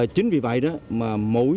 chính vì vậy đó mà mỗi